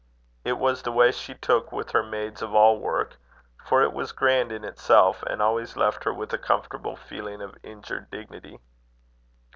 It was the way she took with her maids of all work; for it was grand in itself, and always left her with a comfortable feeling of injured dignity.